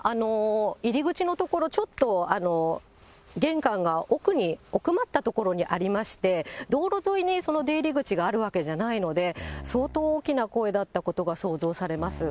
入口の所、ちょっと玄関が奥に、奥まったところにありまして、道路沿いに出入り口があるわけじゃないので、相当大きな声だったことが想像されます。